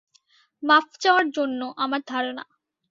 মাফ চাওয়ার জন্য, আমার ধারনা।